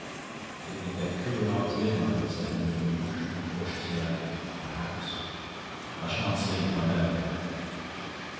"It will get cooler after midnight," said Henry Wimbush, and cautiously added, "perhaps." "I shan't sleep, I know."